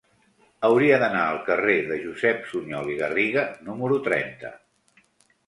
Hauria d'anar al carrer de Josep Sunyol i Garriga número trenta.